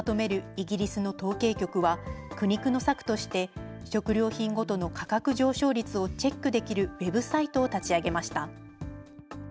イギリスの統計局は、苦肉の策として、食料品ごとの価格上昇率をチェックできるウェブサイトを立ち上げました。